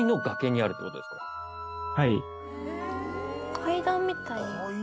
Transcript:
階段みたいの。